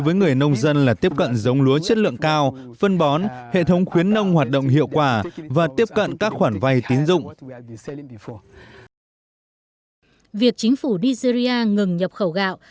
việc chính phủ nigeria ngừng nhập khẩu gạo